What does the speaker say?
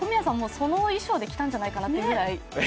その衣装できたんじゃないかなっていうぐらい。